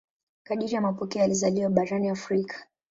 Kadiri ya mapokeo alizaliwa barani Afrika.